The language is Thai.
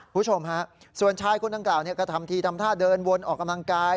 คุณผู้ชมฮะส่วนชายคนดังกล่าวก็ทำทีทำท่าเดินวนออกกำลังกาย